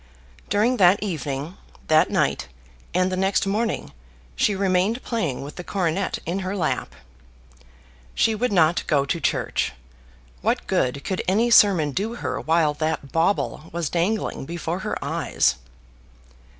During that evening, that night, and the next morning, she remained playing with the coronet in her lap. She would not go to church. What good could any sermon do her while that bauble was dangling before her eyes?